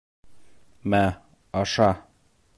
— Мә, аша!